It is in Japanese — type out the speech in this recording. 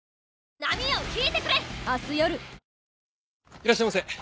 いらっしゃいませ。